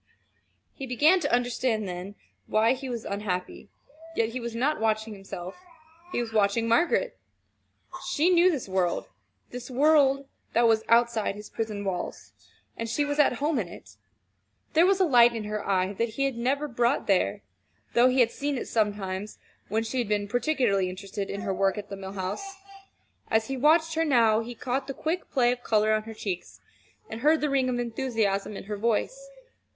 He began to understand then, why he was unhappy yet he was not watching himself, he was watching Margaret. She knew this world this world that was outside his prison walls; and she was at home in it. There was a light in her eye that he had never brought there, though he had seen it sometimes when she had been particularly interested in her work at the Mill House. As he watched her now, he caught the quick play of color on her cheeks, and heard the ring of enthusiasm in her voice.